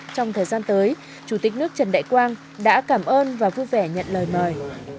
trong thời gian tới chủ tịch nước trần đại quang đã cảm ơn và vui vẻ nhận lời mời